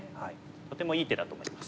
とてもいい手だと思います。